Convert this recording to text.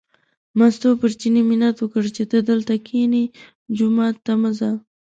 مستو پر چیني منت وکړ چې ته دلته کینې، جومات ته مه ځه.